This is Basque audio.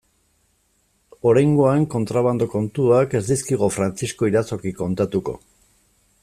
Oraingoan kontrabando kontuak ez dizkigu Frantzisko Irazokik kontatuko.